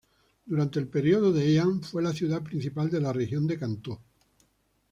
Durante el período de Heian fue la ciudad principal de la región de Kantō.